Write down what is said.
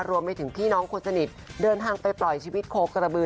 รวมไปถึงพี่น้องคนสนิทเดินทางไปปล่อยชีวิตโคกระบือ